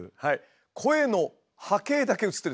声の波形だけ映ってるんです。